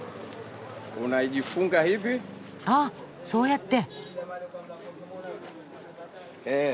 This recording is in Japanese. ああそうやって。